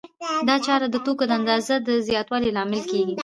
دا چاره د توکو د اندازې د زیاتوالي لامل کېږي